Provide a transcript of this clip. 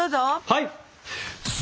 はい！